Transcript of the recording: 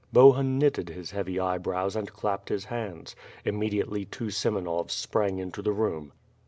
Bohun knitted his heavy eyebrows and clapped his hands. Immediately two Semenovs sprang into the room.